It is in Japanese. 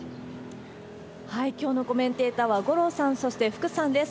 きょうのコメンテーターは五郎さん、そして福さんです。